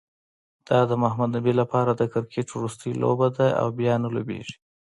دا د محمد نبي لپاره د کرکټ وروستۍ لوبه ده، او بیا نه لوبیږي